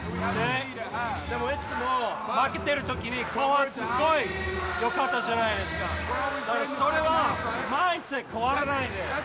でもいつも、負けてるときに、後半すごいよかったじゃないですか、それはマインドセットが変わらない。